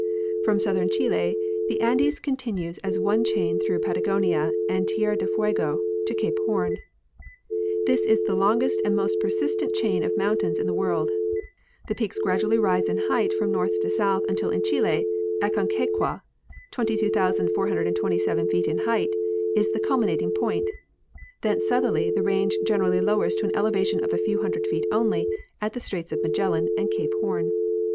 From southern Chile the Andes continues as one chain through Patagonia and Tierra del Fuego to Cape Horn. This is the longest and most persistent chain of mountains in the world. The peaks gradu ally rise in height from north to south until in Chile, Aconcaqua, 22,427 feet in height, is the culminating point ; thence southerly the range gradually lowers to an elevation of a few hundred feet only at the Straits of Magellan and Cape Horn.